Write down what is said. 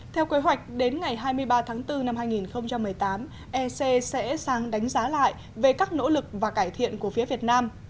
theo kế hoạch đến ngày hai mươi ba tháng bốn năm hai nghìn một mươi tám ec sẽ sang đánh giá lại về các nỗ lực và cải thiện của phía việt nam